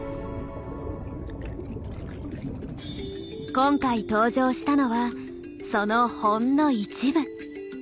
今回登場したのはそのほんの一部。